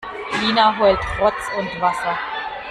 Lina heult Rotz und Wasser.